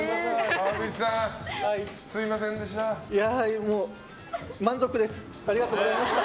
川口さん、すみませんでした。